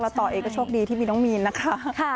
ต่อเองก็โชคดีที่มีน้องมีนนะคะ